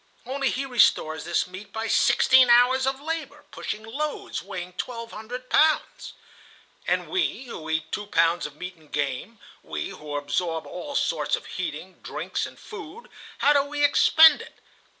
Only he restores this meat by sixteen hours of labor pushing loads weighing twelve hundred pounds. [*] Kvass, a sort of cider. "And we, who eat two pounds of meat and game, we who absorb all sorts of heating drinks and food, how do we expend it?